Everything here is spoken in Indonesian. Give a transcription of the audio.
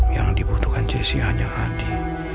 yang dibutuhkan jessi hanya adi